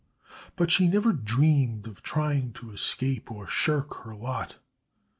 But she never dreamed of trying to escape or shirk her lot.